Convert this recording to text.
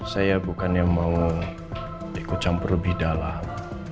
saya bukannya mau dikucamper lebih dalam